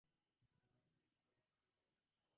Nearby is the Sumter National Forest.